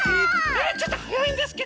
えっちょっとはやいんですけど！